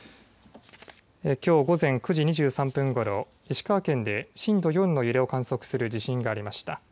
きょう午前９時２３分ごろ石川県で震度４の揺れを観測する地震がありました。